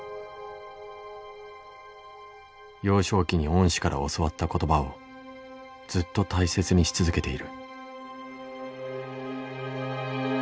幼少期に恩師から教わった言葉をずっと大切にし続けている。